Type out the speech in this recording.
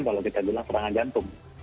kalau kita bilang serangan jantung